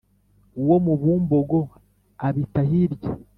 Uwo mu Bumbogo abita hirya,